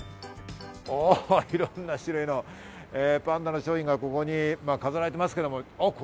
いろんな種類のパンダの商品がここに飾られています。